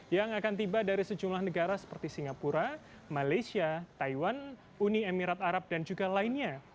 yang akan tiba dari sejumlah negara seperti singapura malaysia taiwan uni emirat arab dan juga lainnya